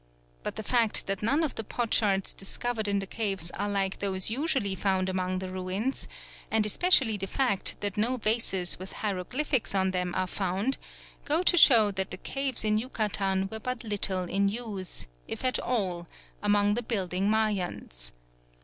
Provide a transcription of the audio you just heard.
But the fact that none of the potsherds discovered in the caves are like those usually found among the ruins, and especially the fact that no vases with hieroglyphics on them are found, go to show that the caves in Yucatan were but little in use, if at all, among the building Mayans.